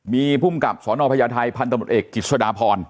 มีผู้มกลับสรรพญาไทยพันธบทหกศิชย์กิจชดาพร